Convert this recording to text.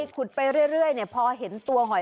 ขุดไปเรื่อยพอเห็นตัวหอย